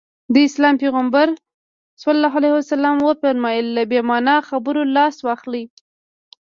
د اسلام پيغمبر ص وفرمايل له بې معنا خبرو لاس واخلي.